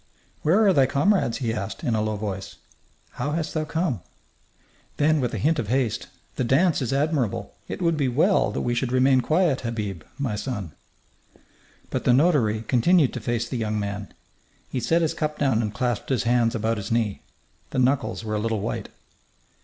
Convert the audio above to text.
"Where are thy comrades?" he asked, in a low voice. "How hast thou come?" Then, with a hint of haste: "The dance is admirable. It would be well that we should remain quiet, Habib, my son." But the notary continued to face the young man. He set his cup down and clasped his hands about his knee. The knuckles were a little white.